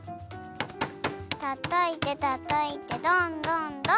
たたいてたたいてどんどんどん！